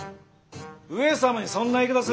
上様にそんな言い方すれ。